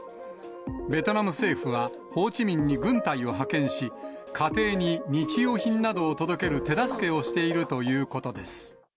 ベトナム政府は、ホーチミンに軍隊を派遣し、家庭に日用品などを届ける手助けをしているということです。